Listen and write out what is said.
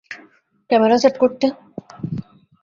Camera set করতে?